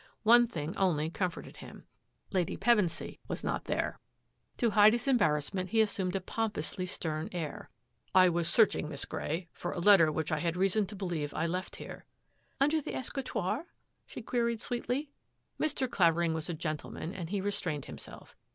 One thing only comforted him — Lady Pevensy was not there. To hide his embarrassment he assumed a pom pously stem air. " I was searching, Miss Grey, for a letter which I had reason to believe I left here." " Under the escritoire? " she queried sweetly. Mr. Clavering was a gentleman and he restrained himself.